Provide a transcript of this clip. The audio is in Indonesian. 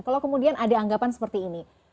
kalau kemudian ada anggapan seperti ini